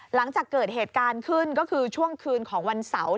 หลังจากเกิดเหตุการณ์ขึ้นก็คือช่วงคืนของวันเสาร์